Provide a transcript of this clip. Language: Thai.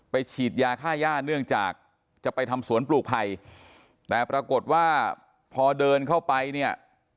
ฉีดยาค่าย่าเนื่องจากจะไปทำสวนปลูกภัยแต่ปรากฏว่าพอเดินเข้าไปเนี่ย